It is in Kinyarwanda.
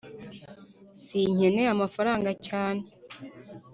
sinkeneye amafaranga cyane